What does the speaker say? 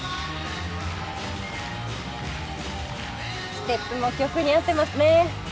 ステップも曲に合ってますね。